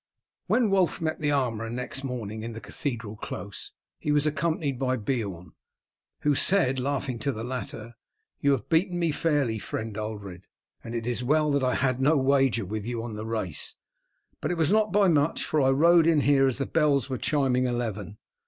When Wulf met the armourer next morning in the cathedral close he was accompanied by Beorn, who said, laughing, to the latter, "You have beaten me fairly, friend Ulred, and it is well that I had no wager with you on the race. But it was not by much, for I rode in here as the bells were chiming eleven.